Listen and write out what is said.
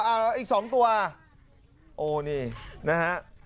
อ้าวอีก๒ตัวโอ้นี่นะฮะ